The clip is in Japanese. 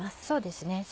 そうですね